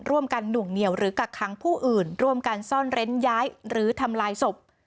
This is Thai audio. หน่วงเหนียวหรือกักขังผู้อื่นร่วมกันซ่อนเร้นย้ายหรือทำลายศพ